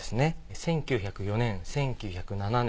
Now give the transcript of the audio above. １９０４年１９０７年